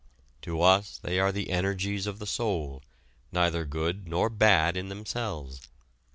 To us they are the energies of the soul, neither good nor bad in themselves.